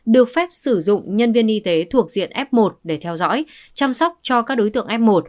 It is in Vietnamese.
được phép sử dụng nhân viên y tế thuộc diện f một để theo dõi chăm sóc cho các đối tượng f một